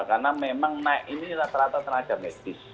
karena memang naik ini rata rata tenaga medis